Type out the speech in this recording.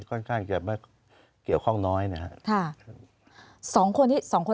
ค่อนข้างจะไม่เกี่ยวข้องน้อยนะฮะค่ะสองคนที่สองคน